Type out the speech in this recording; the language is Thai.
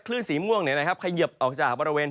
คลื่นสีม่วงเนี่ยนะครับขยบออกจากบริเวณ